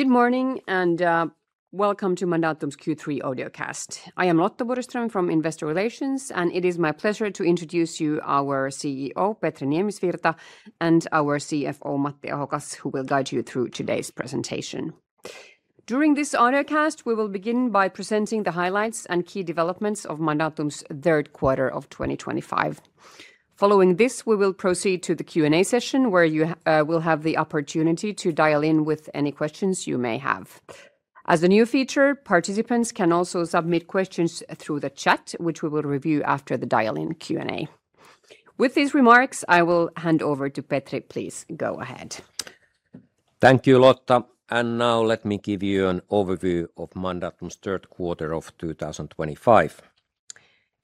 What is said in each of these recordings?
Good morning and welcome to Mandatum's Q3 Audiocast. I am Lotta Borgström from Investor Relations, and it is my pleasure to introduce you to our CEO, Petri Niemisvirta, and our CFO, Matti Ahokas, who will guide you through today's presentation. During this audiocast, we will begin by presenting the highlights and key developments of Mandatum's third quarter of 2025. Following this, we will proceed to the Q&A session, where you will have the opportunity to dial in with any questions you may have. As a new feature, participants can also submit questions through the chat, which we will review after the dial-in Q&A. With these remarks, I will hand over to Petri please go ahead. Thank you, Lotta. Let me give you an overview of Mandatum's third quarter of 2025.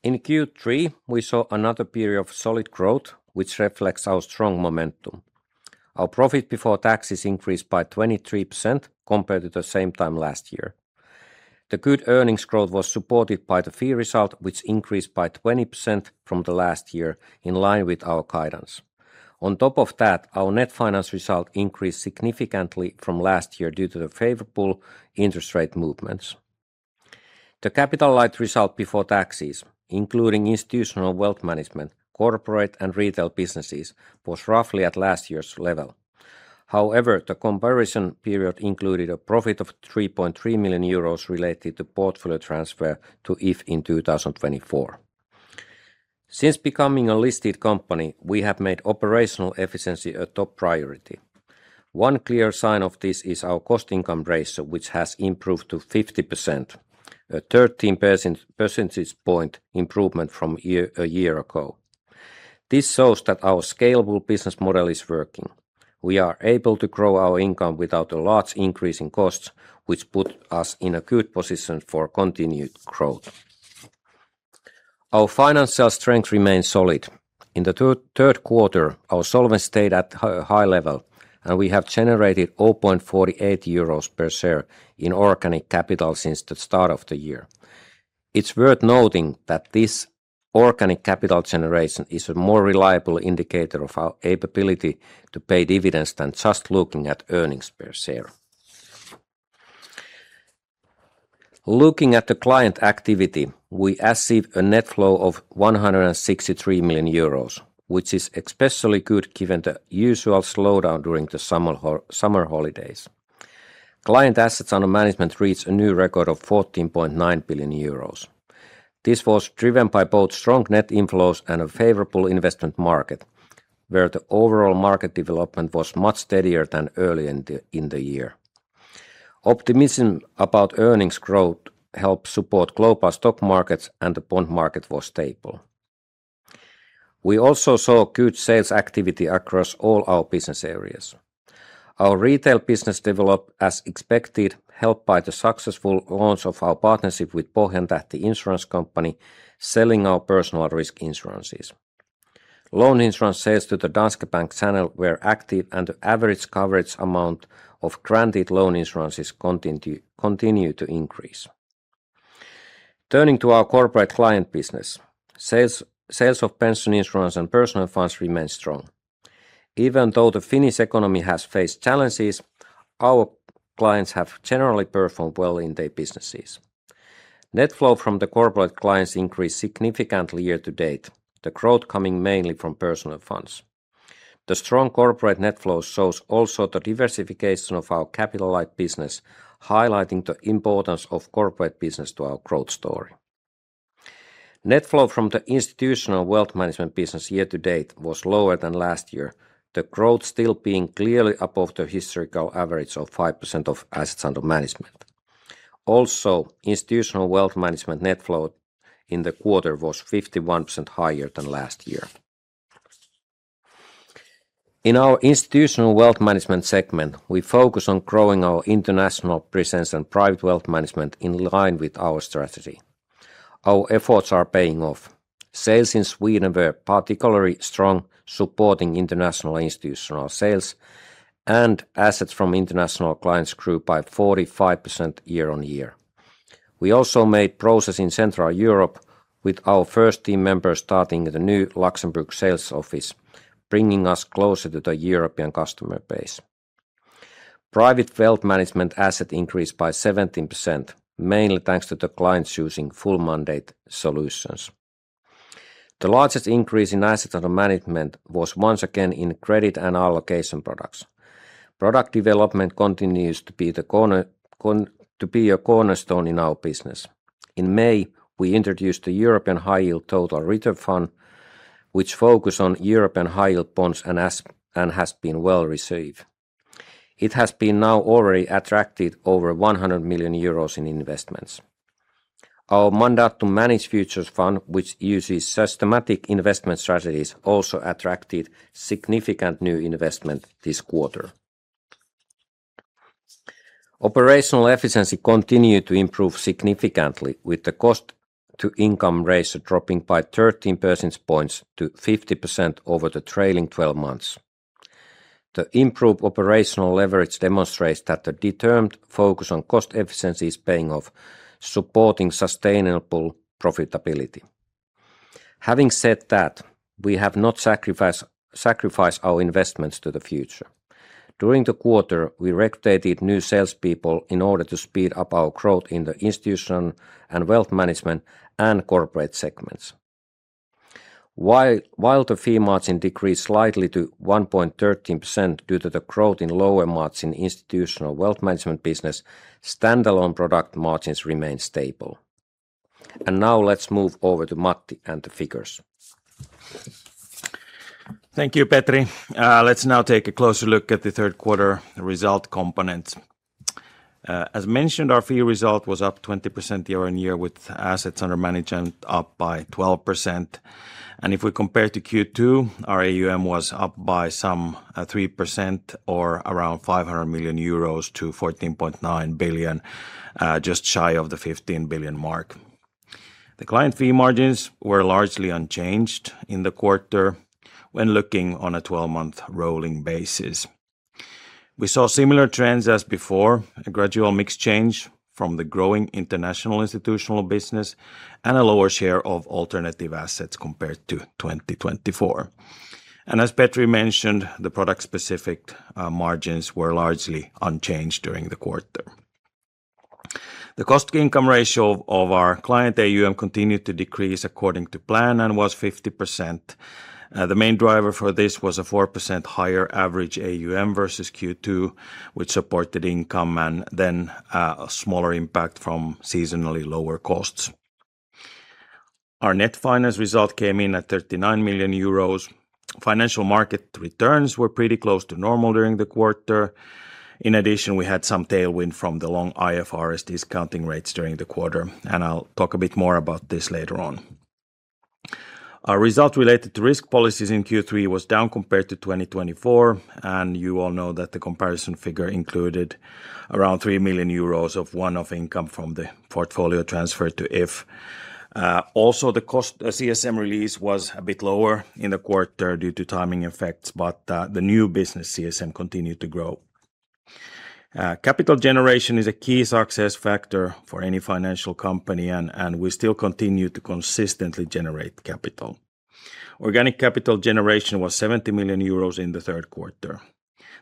In Q3, we saw another period of solid growth, which reflects our strong momentum. Our profit before taxes increased by 23% compared to the same time last year. The good earnings growth was supported by the fee result, which increased by 20% from last year, in line with our guidance. On top of that, our net finance result increased significantly from last year due to the favorable interest rate movements. The capital light result before taxes, including institutional wealth management, corporate, and retail businesses, was roughly at last year's level. However, the comparison period included a profit of 3.3 million euros related to portfolio transfer to If in 2024. Since becoming a listed company, we have made operational efficiency a top priority. One clear sign of this is our cost-income ratio, which has improved to 50%, a 13 percentage point improvement from a year ago. This shows that our scalable business model is working. We are able to grow our income without a large increase in costs, which puts us in a good position for continued growth. Our financial strength remains solid. In the third quarter, our solvency stayed at a high level, and we have generated 0.48 euros per share in organic capital since the start of the year. It's worth noting that this organic capital generation is a more reliable indicator of our ability to pay dividends than just looking at earnings per share. Looking at the client activity, we achieved a net flow of 163 million euros, which is especially good given the usual slowdown during the summer holidays. Client assets under management reached a new record of 14.9 billion euros. This was driven by both strong net inflows and a favorable investment market, where the overall market development was much steadier than earlier in the year. Optimism about earnings growth helped support global stock markets, and the bond market was stable. We also saw good sales activity across all our business areas. Our retail business developed as expected, helped by the successful launch of our partnership with Pohjantähti Insurance Company, selling our personal risk insurances. Loan insurance sales to the Danske Bank channel were active, and the average coverage amount of granted loan insurances continued to increase. Turning to our corporate client business, sales of pension insurance and personal funds remained strong. Even though the Finnish economy has faced challenges, our clients have generally performed well in their businesses. Net flow from the corporate clients increased significantly year-to-date, the growth coming mainly from personal funds. The strong corporate net flow shows also the diversification of our capital-like business, highlighting the importance of corporate business to our growth story. Net flow from the institutional wealth management business year to date was lower than last year, the growth still being clearly above the historical average of 5% of assets under management. Also, institutional wealth management net flow in the quarter was 51% higher than last year. In our institutional wealth management segment, we focus on growing our international presence and private wealth management in line with our strategy. Our efforts are paying off. Sales in Sweden were particularly strong, supporting international institutional sales, and assets from international clients grew by 45% year-on-year. We also made progress in Central Europe with our first team members starting the new Luxembourg sales office, bringing us closer to the European customer base. Private wealth management assets increased by 17%, mainly thanks to the clients using full-mandate solutions. The largest increase in assets under management was once again in credit and allocation products. Product development continues to be a cornerstone in our business. In May, we introduced the European High Yield Total Return Fund, which focused on European high-yield bonds and has been well received. It has now already attracted over 100 million euros in investments. Our Mandatum Managed Futures Fund, which uses systematic investment strategies, also attracted significant new investment this quarter. Operational efficiency continued to improve significantly, with the cost-income ratio dropping by 13 percentage points to 50% over the trailing 12 months. The improved operational leverage demonstrates that the determined focus on cost efficiency is paying off, supporting sustainable profitability. Having said that, we have not sacrificed our investments to the future. During the quarter, we recruited new salespeople in order to speed up our growth in the institutional and wealth management and corporate segments. While the fee margin decreased slightly to 1.13% due to the growth in lower margin institutional wealth management business, standalone product margins remained stable. Now let's move over to Matti and the figures. Thank you, Petri. Let's now take a closer look at the third quarter result component. As mentioned, our fee result was up 20% year-on-year, with assets under management up by 12%. If we compare to Q2, our AUM was up by some 3%, or around 500 million-14.9 billion euros, just shy of the 15 billion mark. The client fee margins were largely unchanged in the quarter when looking on a 12-month rolling basis. We saw similar trends as before: a gradual mix change from the growing international institutional business and a lower share of alternative assets compared to 2024. As Petri mentioned, the product-specific margins were largely unchanged during the quarter. The cost-income ratio of our client AUM continued to decrease according to plan and was 50%. The main driver for this was a 4% higher average AUM versus Q2, which supported income and then a smaller impact from seasonally lower costs. Our net finance result came in at 39 million euros. Financial market returns were pretty close to normal during the quarter. In addition, we had some tailwind from the long IFRS discounting rates during the quarter, and I'll talk a bit more about this later on. Our result related to risk policies in Q3 was down compared to 2024, and you all know that the comparison figure included around 3 million euros of one-off income from the portfolio transfer to If. Also, the cost CSM release was a bit lower in the quarter due to timing effects, but the new business CSM continued to grow. Capital generation is a key success factor for any financial company, and we still continue to consistently generate capital. Organic capital generation was 70 million euros in the third quarter.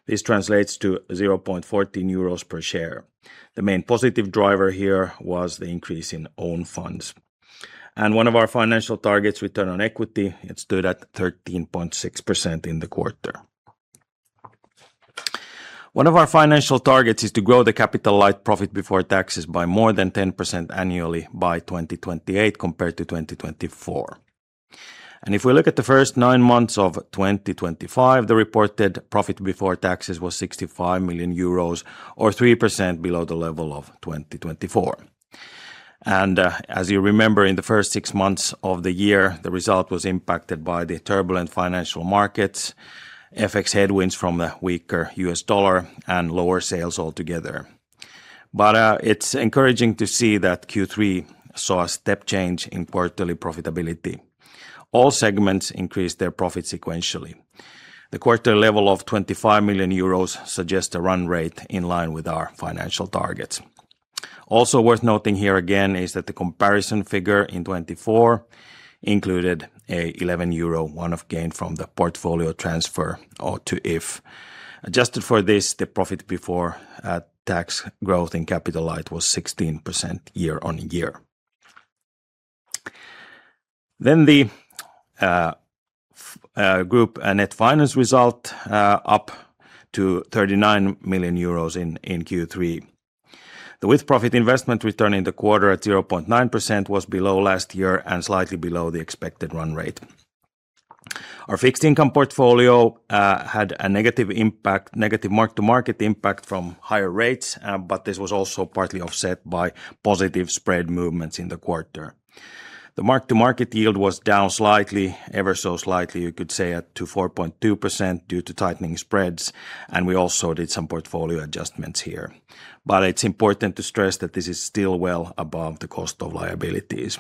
This translates to 0.14 euros per share. The main positive driver here was the increase in own funds. One of our financial targets, return on equity, stood at 13.6% in the quarter. One of our financial targets is to grow the capital light profit before taxes by more than 10% annually by 2028 compared to 2024. If we look at the first nine months of 2025, the reported profit before taxes was 65 million euros, or 3% below the level of 2024. As you remember, in the first six months of the year, the result was impacted by the turbulent financial markets, FX headwinds from the weaker US dollar, and lower sales altogether. It is encouraging to see that Q3 saw a step change in quarterly profitability. All segments increased their profit sequentially. The quarterly level of 25 million euros suggests a run rate in line with our financial targets. Also worth noting here again is that the comparison figure in 2024 included an 11 million euro one-off gain from the portfolio transfer to If. Adjusted for this, the profit before tax growth in capital light was 16% year-on-year. The group net finance result was up to 39 million euros in Q3. The with-profit investment return in the quarter at 0.9% was below last year and slightly below the expected run rate. Our fixed income portfolio had a negative impact, negative mark-to-market impact from higher rates, but this was also partly offset by positive spread movements in the quarter. The mark-to-market yield was down slightly, ever so slightly, you could say, to 4.2% due to tightening spreads, and we also did some portfolio adjustments here. It is important to stress that this is still well above the cost of liabilities.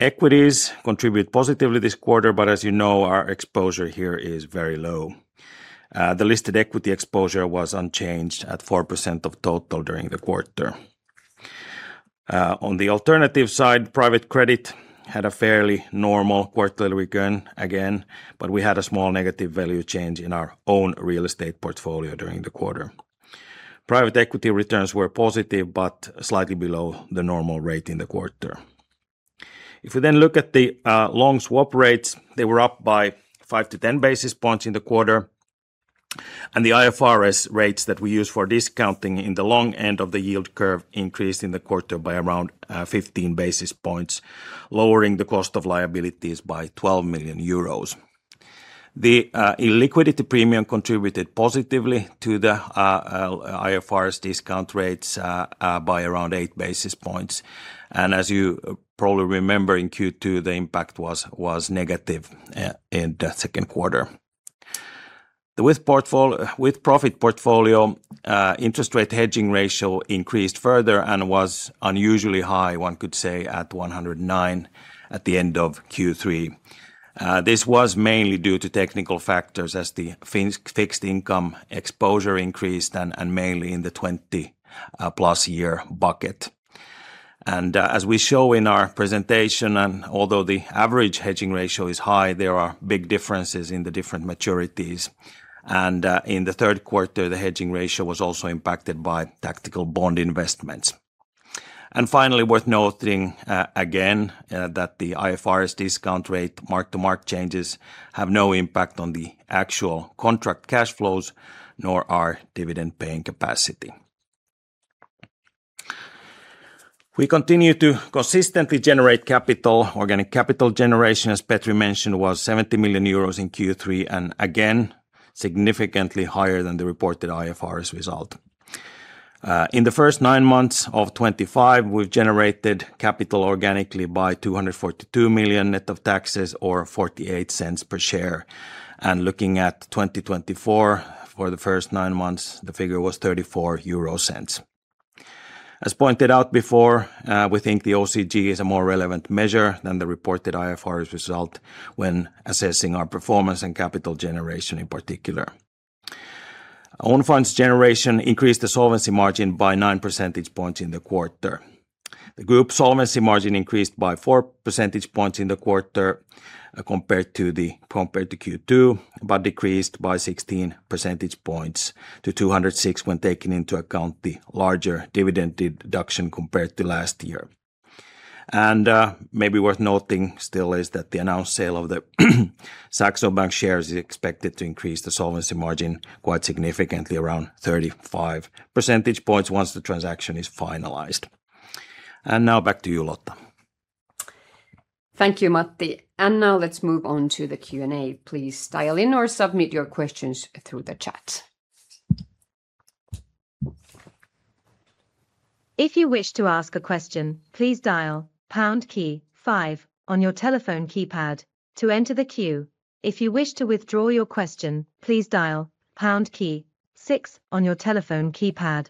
Equities contribute positively this quarter, but as you know, our exposure here is very low. The listed equity exposure was unchanged at 4% of total during the quarter. On the alternative side, private credit had a fairly normal quarterly return again, but we had a small negative value change in our own real estate portfolio during the quarter. Private equity returns were positive, but slightly below the normal rate in the quarter. If we then look at the long swap rates, they were up by 5 basis point-10 basis points in the quarter, and the IFRS rates that we use for discounting in the long end of the yield curve increased in the quarter by around 15 basis points, lowering the cost of liabilities by 12 million euros. The liquidity premium contributed positively to the IFRS discount rates by around 8 basis points, and as you probably remember, in Q2, the impact was negative in the second quarter. The with profit portfolio interest rate hedging ratio increased further and was unusually high, one could say, at 109 at the end of Q3. This was mainly due to technical factors as the fixed income exposure increased and mainly in the 20+ year bucket. As we show in our presentation, and although the average hedging ratio is high, there are big differences in the different maturities. In the third quarter, the hedging ratio was also impacted by tactical bond investments. Finally, worth noting again that the IFRS discount rate, mark-to-mark changes have no impact on the actual contract cash flows, nor our dividend paying capacity. We continue to consistently generate capital. Organic capital generation, as Petri mentioned, was 70 million euros in Q3 and again significantly higher than the reported IFRS result. In the first nine months of 2025, we've generated capital organically by 242 million net of taxes, or 0.48 per share. Looking at 2024, for the first nine months, the figure was 0.34. As pointed out before, we think the OCG is a more relevant measure than the reported IFRS result when assessing our performance and capital generation in particular. Own funds generation increased the solvency margin by 9 percentage points in the quarter. The group solvency margin increased by 4 percentage points in the quarter compared to Q2, but decreased by 16 percentage points to 206% when taking into account the larger dividend deduction compared to last year. Maybe worth noting still is that the announced sale of the Saxo Bank shares is expected to increase the solvency margin quite significantly, around 35 percentage points once the transaction is finalized. Now back to you, Lotta. Thank you, Matti. Now let's move on to the Q&A. Please dial in or submit your questions through the chat. If you wish to ask a question, please dial pound key five on your telephone keypad to enter the queue. If you wish to withdraw your question, please dial pound key six on your telephone keypad.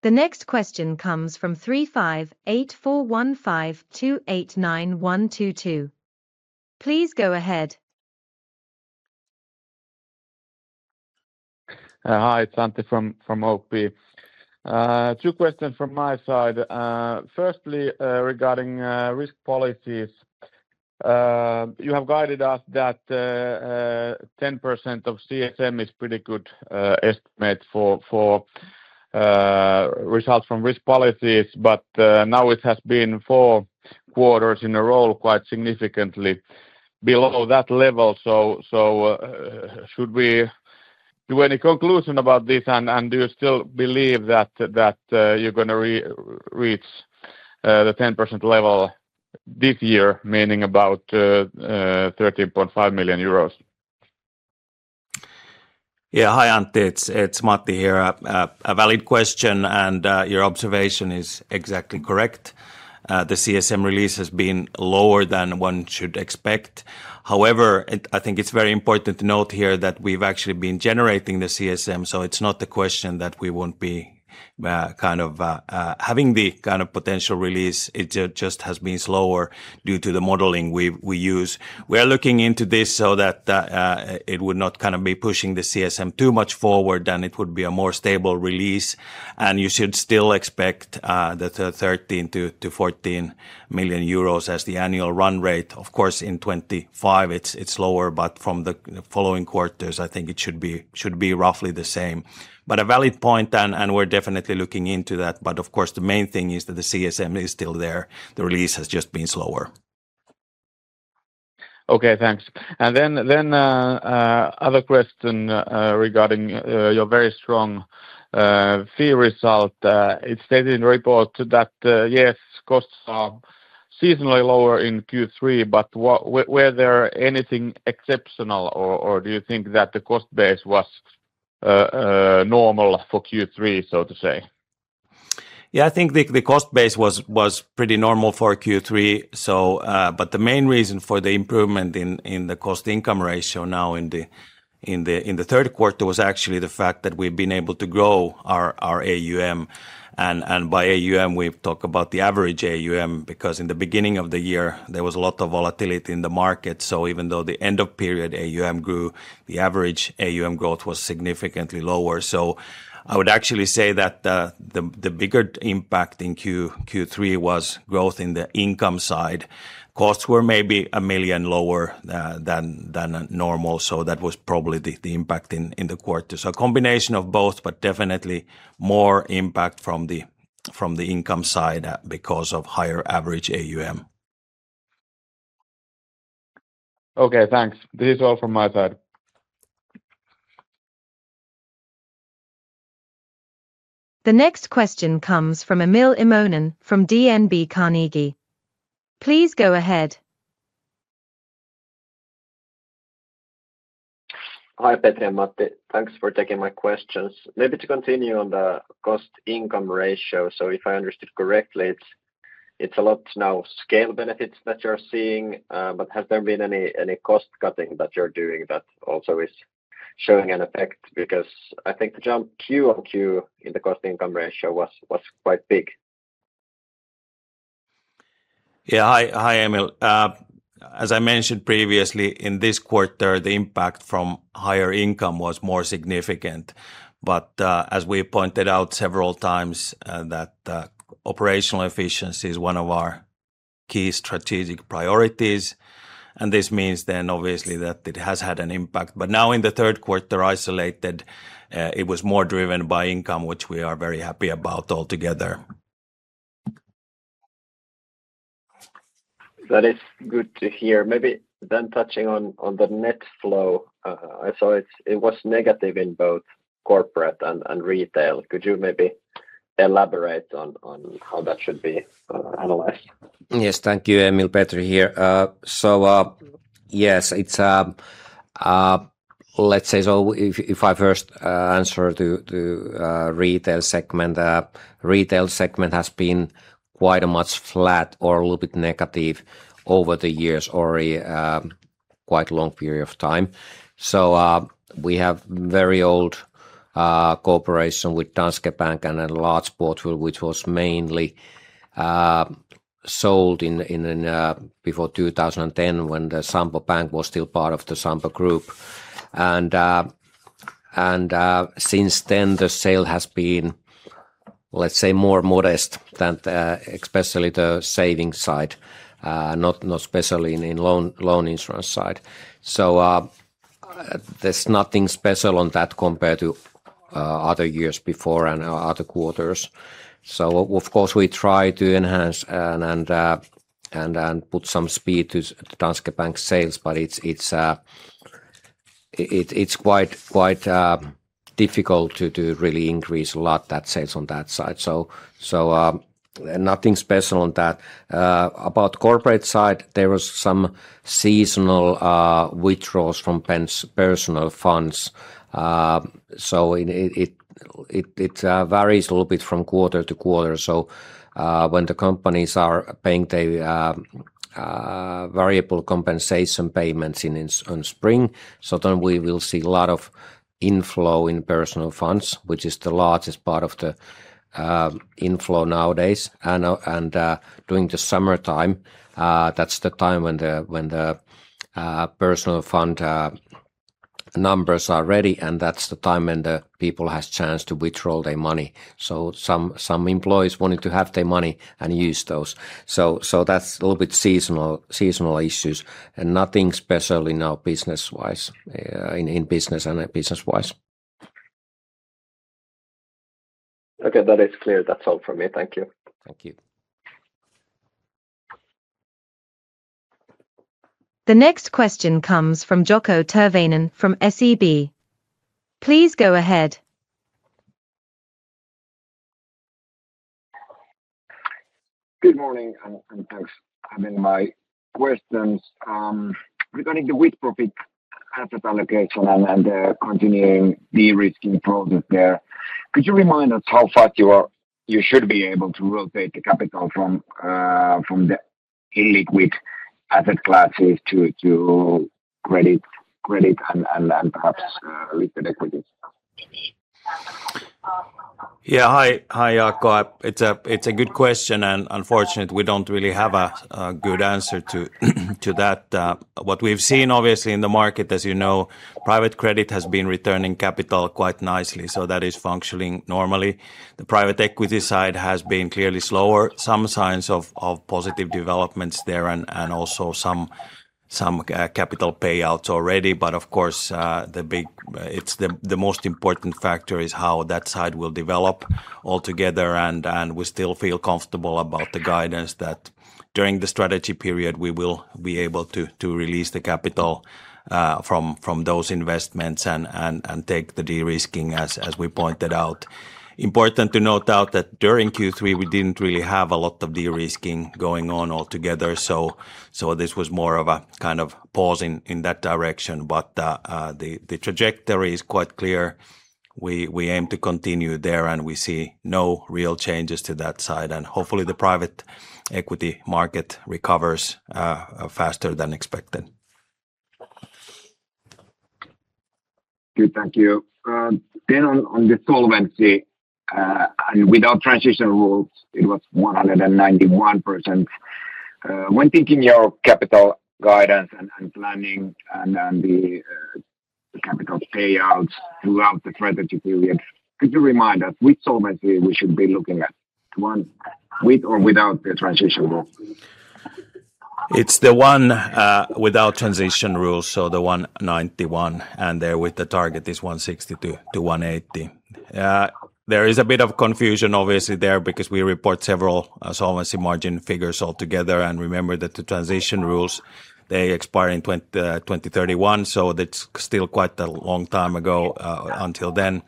The next question comes from 358415289122. Please go ahead. Hi, it's Antti from OP. Two questions from my side. Firstly, regarding risk policies, you have guided us that 10% of CSM is a pretty good estimate for results from risk policies, but now it has been four quarters in a row quite significantly below that level. Should we do any conclusion about this? Do you still believe that you're going to reach the 10% level this year, meaning about 13.5 million euros? Yeah, hi Antti, it's Matti here. A valid question, and your observation is exactly correct. The CSM release has been lower than one should expect. However, I think it's very important to note here that we've actually been generating the CSM, so it's not the question that we won't be kind of having the kind of potential release. It just has been slower due to the modeling we use. We are looking into this so that it would not kind of be pushing the CSM too much forward, and it would be a more stable release. You should still expect the 13 million-14 million euros as the annual run rate. Of course, in 2025, it's lower, but from the following quarters, I think it should be roughly the same. A valid point, and we're definitely looking into that. Of course, the main thing is that the CSM is still there. The release has just been slower. Okay, thanks. Another question regarding your very strong fee result. It's stated in the report that yes, costs are seasonally lower in Q3, but was there anything exceptional, or do you think that the cost base was normal for Q3, so to say? Yeah, I think the cost base was pretty normal for Q3. The main reason for the improvement in the cost-income ratio now in the third quarter was actually the fact that we've been able to grow our AUM. By AUM, we talk about the average AUM because in the beginning of the year, there was a lot of volatility in the market. Even though the end of period AUM grew, the average AUM growth was significantly lower. I would actually say that the bigger impact in Q3 was growth in the income side. Costs were maybe 1 million lower than normal, so that was probably the impact in the quarter. A combination of both, but definitely more impact from the income side because of higher average AUM. Okay, thanks. This is all from my side. The next question comes from Emil Immonen from DNB Carnegie. Please go ahead. Hi Petri and Matti. Thanks for taking my questions. Maybe to continue on the cost-income ratio, so if I understood correctly, it's a lot now scale benefits that you're seeing, but has there been any cost cutting that you're doing that also is showing an effect? Because I think the jump Q-on-Q in the cost-income ratio was quite big. Yeah, hi Emil. As I mentioned previously, in this quarter, the impact from higher income was more significant. As we pointed out several times, operational efficiency is one of our key strategic priorities. This means then obviously that it has had an impact. Now in the third quarter isolated, it was more driven by income, which we are very happy about altogether. That is good to hear. Maybe then touching on the net flow, I saw it was negative in both corporate and retail. Could you maybe elaborate on how that should be analyzed? Yes, thank you, Emil. Petri here. Yes, let's say if I first answer to the retail segment, the retail segment has been quite much flat or a little bit negative over the years or a quite long period of time. We have a very old cooperation with Danske Bank and a large portfolio which was mainly sold before 2010 when the Sampo Bank was still part of the Sampo Group. Since then, the sale has been, let's say, more modest, especially the savings side, not especially in the loan insurance side. There is nothing special on that compared to other years before and other quarters. Of course, we try to enhance and put some speed to Danske Bank's sales, but it is quite difficult to really increase a lot that sales on that side. Nothing special on that. About the corporate side, there were some seasonal withdrawals from personal funds. It varies a little bit from quarter-to-quarter. When the companies are paying their variable compensation payments in spring, we will see a lot of inflow in personal funds, which is the largest part of the inflow nowadays. During the summertime, that is the time when the personal fund numbers are ready, and that is the time when the people have a chance to withdraw their money. Some employees wanted to have their money and use those. That is a little bit seasonal issues. Nothing special now business-wise in business and business-wise. Okay, that is clear. That's all from me. Thank you. Thank you. The next question comes from Jaakko Tyrväinen from SEB. Please go ahead. Good morning and thanks. I mean, my question is regarding the with-profit asset allocation and the continuing de-risking process there. Could you remind us how fast you should be able to rotate the capital from the illiquid asset classes to credit and perhaps listed equities? Yeah, hi Jaakko. It's a good question. Unfortunately, we don't really have a good answer to that. What we've seen obviously in the market, as you know, private credit has been returning capital quite nicely, so that is functioning normally. The private equity side has been clearly slower. Some signs of positive developments there and also some capital payouts already. Of course, the most important factor is how that side will develop altogether. We still feel comfortable about the guidance that during the strategy period, we will be able to release the capital from those investments and take the de-risking, as we pointed out. Important to note that during Q3, we didn't really have a lot of de-risking going on altogether. This was more of a kind of pause in that direction. The trajectory is quite clear. We aim to continue there, and we see no real changes to that side. Hopefully, the private equity market recovers faster than expected. Good, thank you. On the solvency, and without transition rules, it was 191%. When thinking your capital guidance and planning and the capital payouts throughout the strategy period, could you remind us which solvency we should be looking at, with or without the transition rules? It's the one without transition rules, so the 191. There the target is 160-180. There is a bit of confusion obviously there because we report several solvency margin figures altogether. Remember that the transition rules, they expire in 2031, so that's still quite a long time to go until then.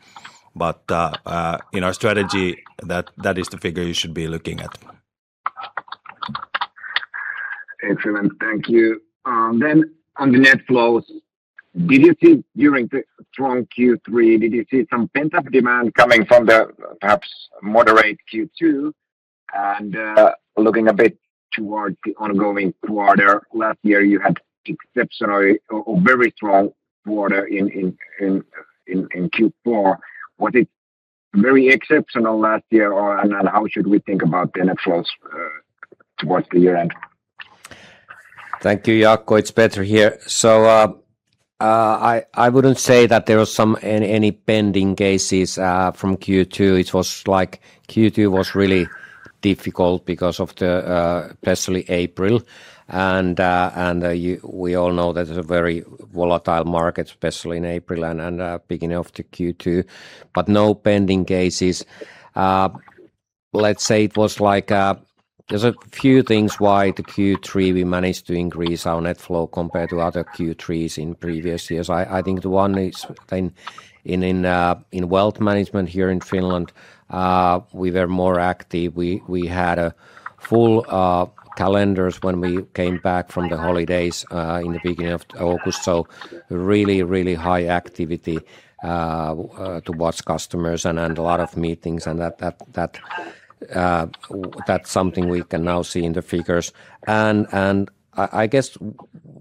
In our strategy, that is the figure you should be looking at. Excellent, thank you. On the net flows, did you see during the strong Q3, did you see some pent-up demand coming from the perhaps moderate Q2 and looking a bit towards the ongoing quarter? Last year, you had exceptionally or very strong quarter in Q4. Was it very exceptional last year, and how should we think about the net flows towards the year end? Thank you, Jaakko. It's Petri here. I wouldn't say that there were any pending cases from Q2. It was like Q2 was really difficult because of the, especially April. We all know that it's a very volatile market, especially in April and the beginning of Q2. No pending cases. Let's say it was like there's a few things why in Q3 we managed to increase our net flow compared to other Q3s in previous years. I think the one is in wealth management here in Finland. We were more active. We had full calendars when we came back from the holidays in the beginning of August. Really, really high activity towards customers and a lot of meetings. That's something we can now see in the figures. I guess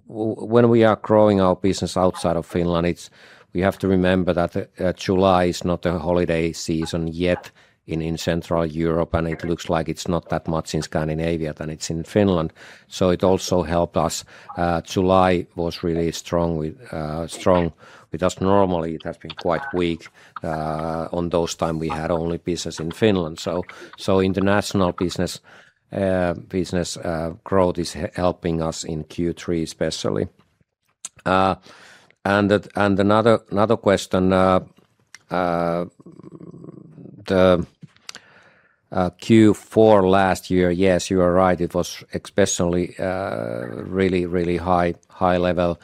when we are growing our business outside of Finland, we have to remember that July is not a holiday season yet in Central Europe, and it looks like it is not that much in Scandinavia than it is in Finland. It also helped us. July was really strong with us. Normally, it has been quite weak. On those times, we had only business in Finland. International business growth is helping us in Q3 especially. Another question, the Q4 last year, yes, you are right. It was especially really, really high level.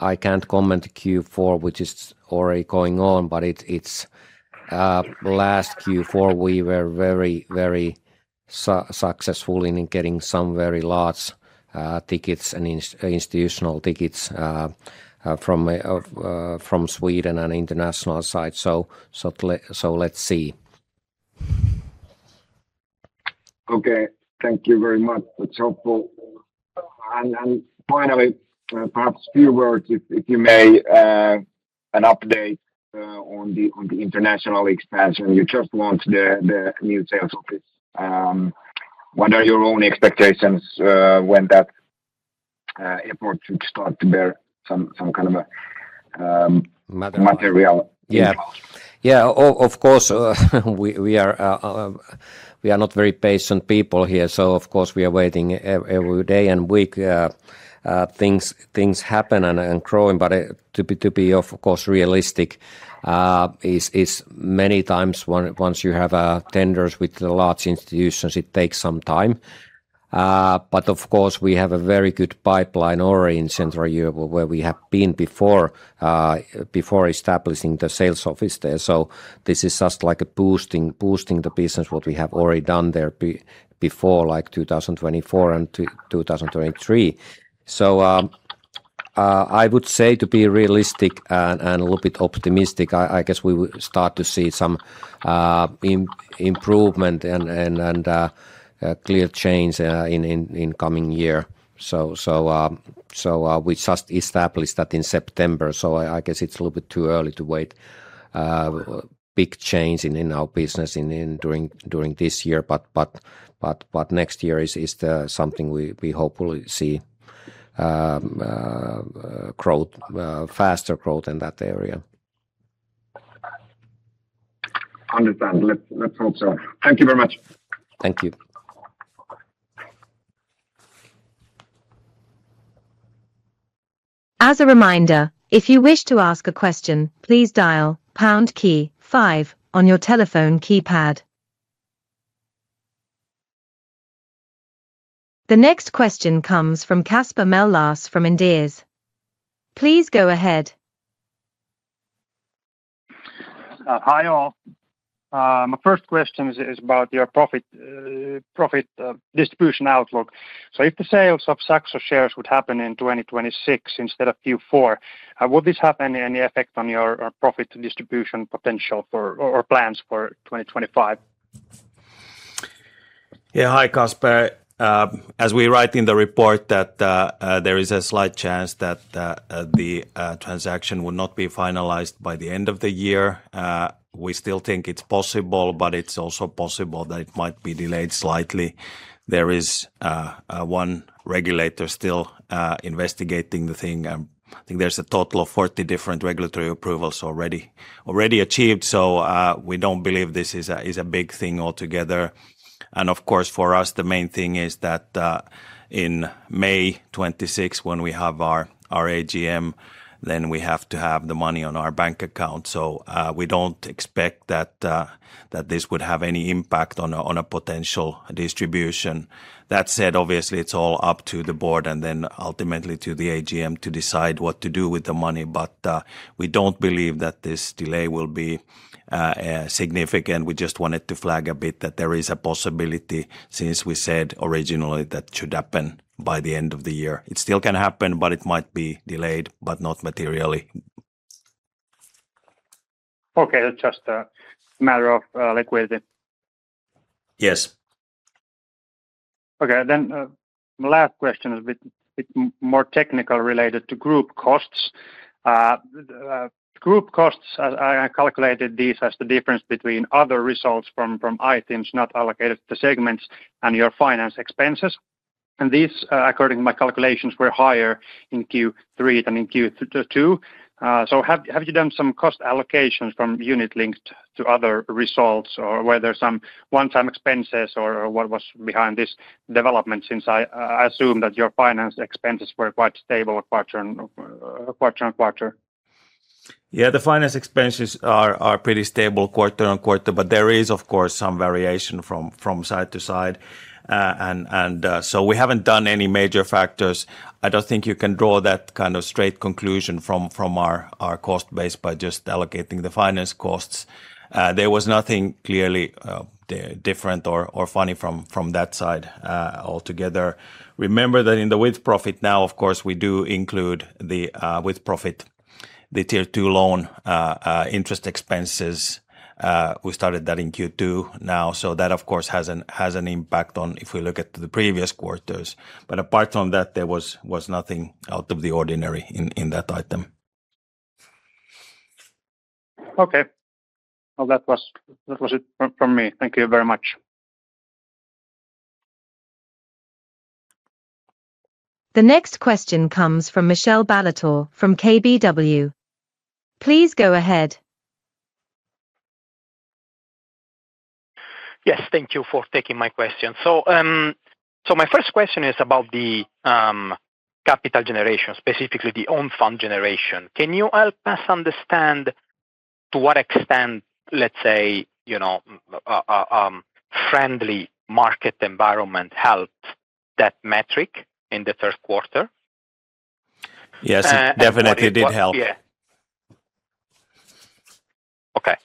I cannot comment Q4, which is already going on, but last Q4, we were very, very successful in getting some very large tickets and institutional tickets from Sweden and international side. Let's see. Okay, thank you very much. That's helpful. Finally, perhaps a few words, if you may, an update on the international expansion. You just launched the new sales office. What are your own expectations when that effort should start to bear some kind of material? Yeah, of course, we are not very patient people here. Of course, we are waiting every day and week. Things happen and growing. To be, of course, realistic, many times once you have tenders with the large institutions, it takes some time. Of course, we have a very good pipeline already in Central Europe where we have been before establishing the sales office there. This is just like boosting the business, what we have already done there before like 2024 and 2023. I would say to be realistic and a little bit optimistic, I guess we will start to see some improvement and clear change in coming year. We just established that in September. I guess it's a little bit too early to wait big change in our business during this year. Next year is something we hopefully see faster growth in that area. Understand. Let's hope so. Thank you very much. Thank you. As a reminder, if you wish to ask a question, please dial pound key five on your telephone keypad. The next question comes from Kasper Mellas from Inderes. Please go ahead. Hi all. My first question is about your profit distribution outlook. If the sales of Saxo shares would happen in 2026 instead of Q4, would this have any effect on your profit distribution potential or plans for 2025? Yeah, hi Kasper. As we write in the report that there is a slight chance that the transaction would not be finalized by the end of the year, we still think it's possible, but it's also possible that it might be delayed slightly. There is one regulator still investigating the thing. I think there's a total of 40 different regulatory approvals already achieved. We don't believe this is a big thing altogether. Of course, for us, the main thing is that in May 26, when we have our AGM, then we have to have the money on our bank account. We don't expect that this would have any impact on a potential distribution. That said, obviously, it's all up to the board and then ultimately to the AGM to decide what to do with the money. We don't believe that this delay will be significant. We just wanted to flag a bit that there is a possibility since we said originally that should happen by the end of the year. It still can happen, but it might be delayed, but not materially. Okay, just a matter of liquidity. Yes. Okay, then last question is a bit more technical related to group costs. Group costs, I calculated these as the difference between other results from items not allocated to the segments and your finance expenses. These, according to my calculations, were higher in Q3 than in Q2. Have you done some cost allocations from unit linked to other results or were there some one-time expenses or what was behind this development since I assume that your finance expenses were quite stable quarter-on-quarter? Yeah, the finance expenses are pretty stable quarter-on-quarter, but there is, of course, some variation from side to side. We haven't done any major factors. I don't think you can draw that kind of straight conclusion from our cost base by just allocating the finance costs. There was nothing clearly different or funny from that side altogether. Remember that in the with-profit now, of course, we do include the with-profit, the tier two loan interest expenses. We started that in Q2. Now, that, of course, has an impact on if we look at the previous quarters. Apart from that, there was nothing out of the ordinary in that item. Okay. That was it from me. Thank you very much. The next question comes from Michelle Ballatore from KBW. Please go ahead. Yes, thank you for taking my question. My first question is about the capital generation, specifically the own fund generation. Can you help us understand to what extent, let's say, friendly market environment helped that metric in the third quarter? Yes, it definitely did help. Okay.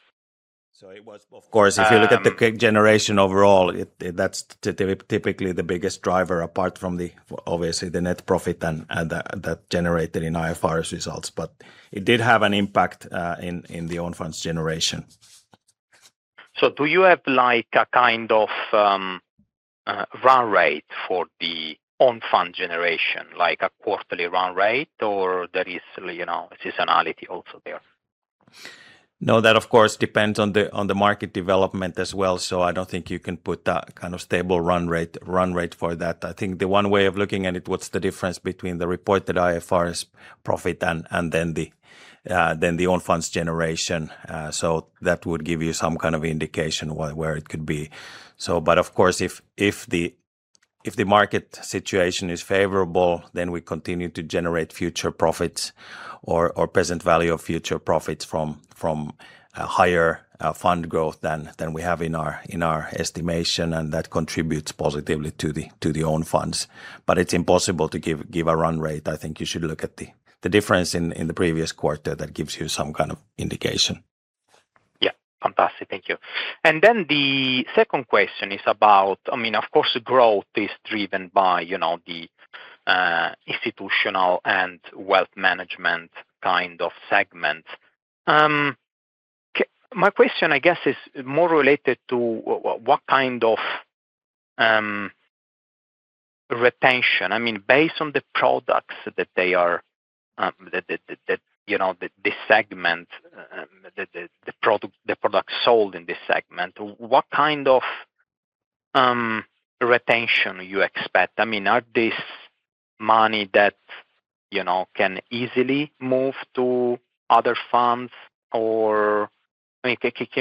It was, of course, if you look at the generation overall, that's typically the biggest driver apart from obviously the net profit that generated in IFRS results. It did have an impact in the own funds generation. Do you have a kind of run rate for the own fund generation, like a quarterly run rate, or is there seasonality also there? No, that of course depends on the market development as well. I do not think you can put that kind of stable run rate for that. I think the one way of looking at it, what is the difference between the reported IFRS profit and then the own funds generation? That would give you some kind of indication where it could be. Of course, if the market situation is favorable, we continue to generate future profits or present value of future profits from higher fund growth than we have in our estimation. That contributes positively to the own funds. It is impossible to give a run rate. I think you should look at the difference in the previous quarter. That gives you some kind of indication. Yeah, fantastic. Thank you. The second question is about, I mean, of course, growth is driven by the institutional and wealth management kind of segments. My question, I guess, is more related to what kind of retention. I mean, based on the products that they are, the segment, the products sold in this segment, what kind of retention you expect? I mean, are these money that can easily move to other funds? Or can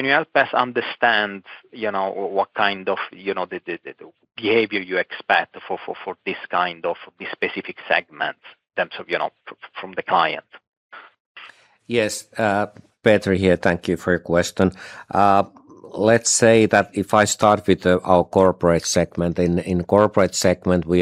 you help us understand what kind of behavior you expect for this kind of specific segment in terms of from the client? Yes, Petri here. Thank you for your question. Let's say that if I start with our corporate segment, in corporate segment, we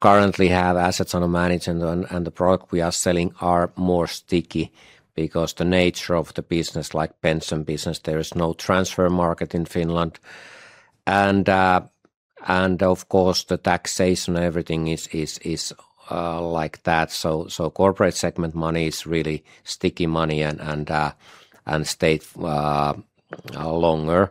currently have assets under management and the product we are selling are more sticky because the nature of the business, like pension business, there is no transfer market in Finland. Of course, the taxation and everything is like that. Corporate segment money is really sticky money and stays longer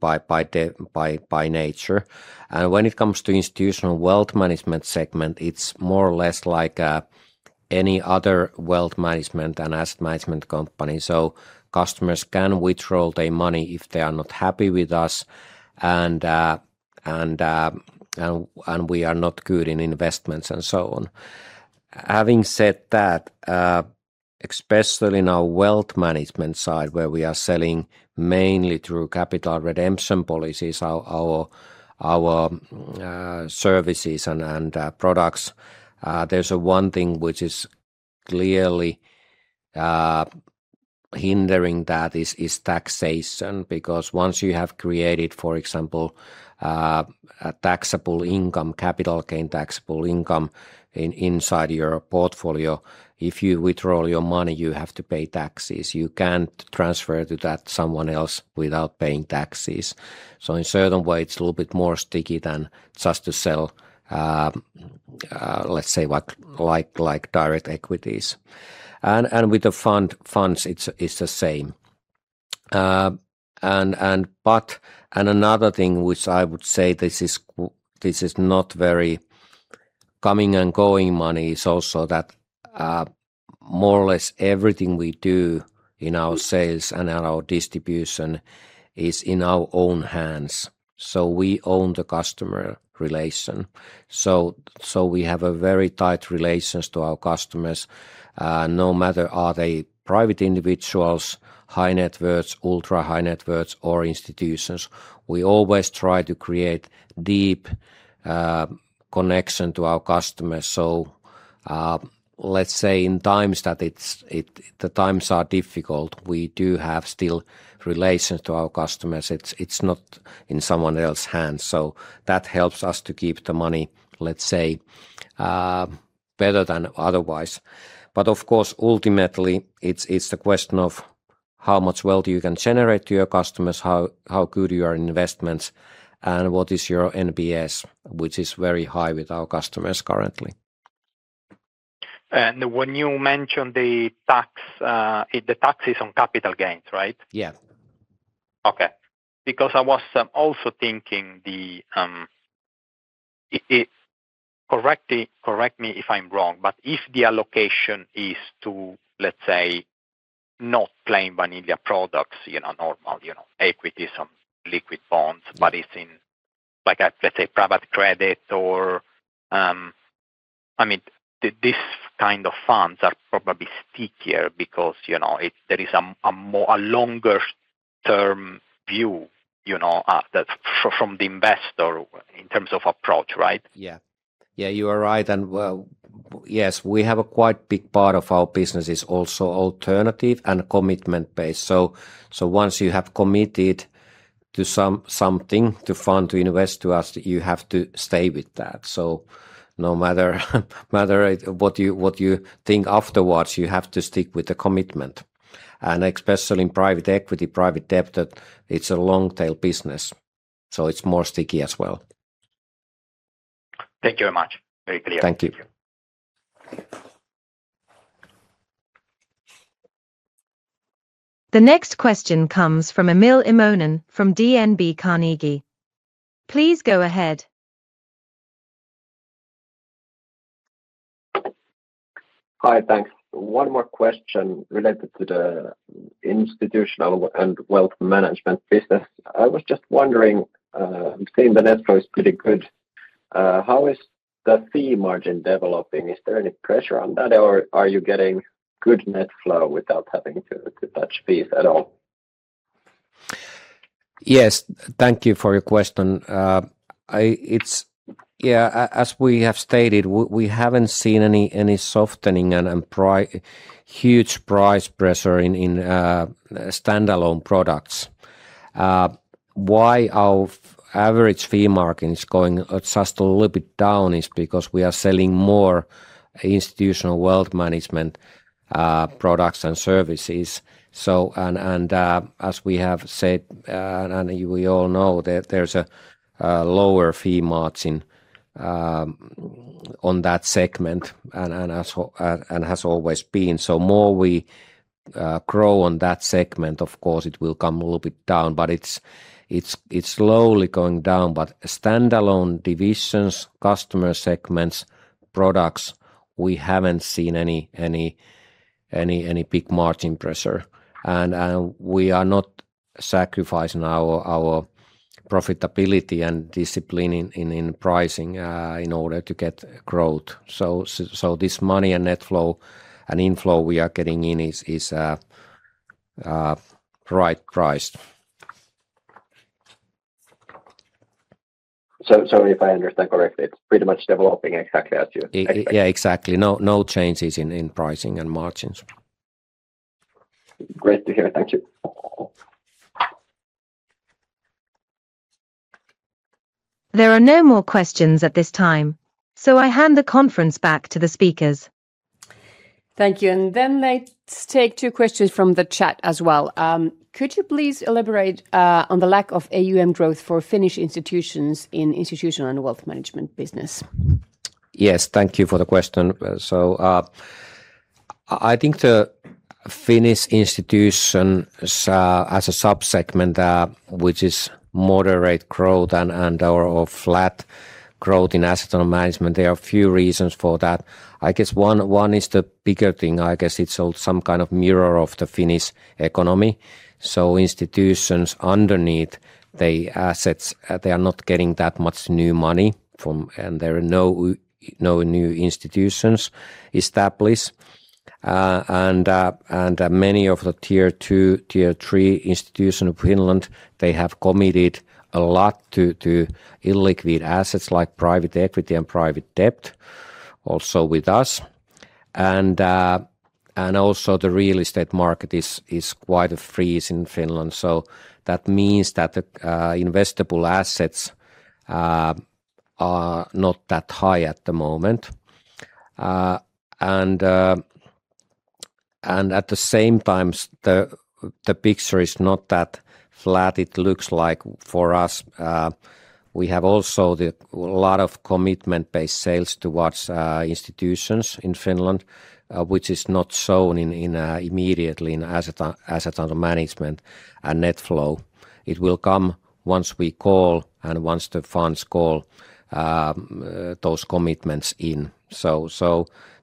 by nature. When it comes to institutional wealth management segment, it's more or less like any other wealth management and asset management company. Customers can withdraw their money if they are not happy with us and we are not good in investments and so on. Having said that, especially in our wealth management side where we are selling mainly through capital redemption policies, our services and products, there's one thing which is clearly hindering that is taxation. Because once you have created, for example, a taxable income, capital gain taxable income inside your portfolio, if you withdraw your money, you have to pay taxes. You can't transfer that to someone else without paying taxes. In certain ways, it's a little bit more sticky than just to sell, let's say, direct equities. With the funds, it's the same. Another thing which I would say this is not very coming and going money is also that more or less everything we do in our sales and our distribution is in our own hands. We own the customer relation. We have a very tight relationship to our customers, no matter are they private individuals, high net worth, ultra high net worth, or institutions. We always try to create deep connection to our customers. Let's say in times that the times are difficult, we do have still relations to our customers. It's not in someone else's hands. That helps us to keep the money, let's say, better than otherwise. Of course, ultimately, it's a question of how much wealth you can generate to your customers, how good your investments, and what is your NPS, which is very high with our customers currently. When you mentioned the taxes on capital gains, right? Yeah. Okay. Because I was also thinking, correct me if I'm wrong, but if the allocation is to, let's say, not plain vanilla products, normal equities or liquid bonds, but it's in, let's say, private credit or, I mean, these kind of funds are probably stickier because there is a longer-term view from the investor in terms of approach, right? Yeah. You are right. Yes, we have a quite big part of our business is also alternative and commitment-based. Once you have committed to something, to fund, to invest to us, you have to stay with that. No matter what you think afterwards, you have to stick with the commitment. Especially in private equity, private debt, it is a long-tail business. It is more sticky as well. Thank you very much. Very clear. Thank you. The next question comes from Emil Immonen from DNB Carnegie. Please go ahead. Hi, thanks. One more question related to the institutional and wealth management business. I was just wondering, I'm seeing the net flow is pretty good. How is the fee margin developing? Is there any pressure on that, or are you getting good net flow without having to touch fees at all? Yes, thank you for your question. Yeah, as we have stated, we haven't seen any softening and huge price pressure in standalone products. Why our average fee margin is going just a little bit down is because we are selling more institutional wealth management products and services. As we have said, and we all know that there's a lower fee margin on that segment and has always been. More we grow on that segment, of course, it will come a little bit down, but it's slowly going down. Standalone divisions, customer segments, products, we haven't seen any big margin pressure. We are not sacrificing our profitability and discipline in pricing in order to get growth. This money and net flow and inflow we are getting in is right priced. Sorry, if I understand correctly. It's pretty much developing exactly as you expected. Yeah, exactly. No changes in pricing and margins. Great to hear. Thank you. There are no more questions at this time. I hand the conference back to the speakers. Thank you. I take two questions from the chat as well. Could you please elaborate on the lack of AUM growth for Finnish institutions in institutional and wealth management business? Yes, thank you for the question. I think the Finnish institutions as a subsegment, which is moderate growth and/or flat growth in asset management, there are a few reasons for that. I guess one is the bigger thing. I guess it's some kind of mirror of the Finnish economy. Institutions underneath the assets, they are not getting that much new money, and there are no new institutions established. Many of the tier II, tier III institutions of Finland, they have committed a lot to illiquid assets like private equity and private debt also with us. Also, the real estate market is quite a freeze in Finland. That means that investable assets are not that high at the moment. At the same time, the picture is not that flat. It looks like for us, we have also a lot of commitment-based sales towards institutions in Finland, which is not shown immediately in assets under management and net flow. It will come once we call and once the funds call those commitments in.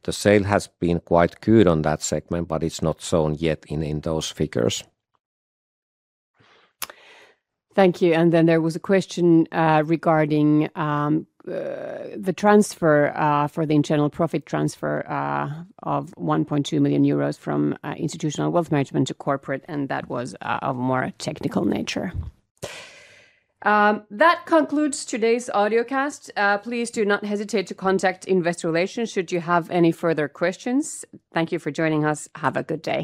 The sale has been quite good on that segment, but it's not shown yet in those figures. Thank you. There was a question regarding the transfer for the internal profit transfer of 1.2 million euros from institutional wealth management to corporate, and that was of a more technical nature. That concludes today's audiocast. Please do not hesitate to contact Investor Relations should you have any further questions. Thank you for joining us. Have a good day.